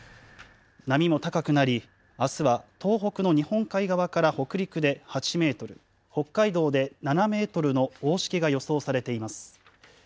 波も高くなり、あすは東北の日本海側から北陸で８メートル、北海道で７メートルの大しけが予想されています。